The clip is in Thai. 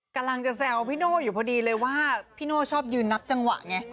กำลังจะแซวพี่โน่อยู่พอดีเลยว่าพี่โน่ชอบยืนนับจังหวะไง